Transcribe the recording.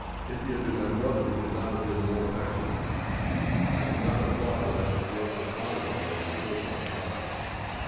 If he had been my brother he could not have been more affectionate. I could not have thought that I should grow so fond of a man in so short a time.